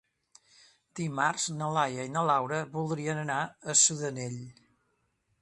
Dimarts na Laia i na Laura voldrien anar a Sudanell.